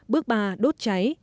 bước ba đốt cháy